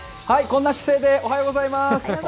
こんな姿勢でおはようございます。